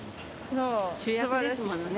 主役ですものね。